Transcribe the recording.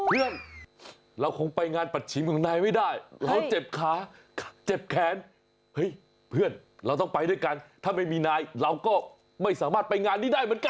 เพื่อนเราคงไปงานปัชชิมของนายไม่ได้เราเจ็บขาเจ็บแขนเฮ้ยเพื่อนเราต้องไปด้วยกันถ้าไม่มีนายเราก็ไม่สามารถไปงานนี้ได้เหมือนกัน